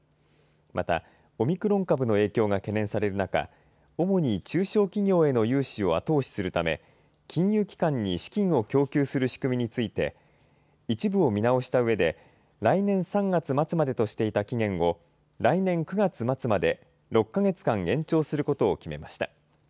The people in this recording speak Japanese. また、オミクロン株の影響が懸念される中、主に中小企業への融資を後押しするため、金融機関に資金を供給する仕組みについて、一部を見直したうえで、来年３月末までとしていた期限を来年９月末まで、６か月間延長することを決めました。